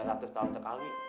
tiga ratus tahun sekali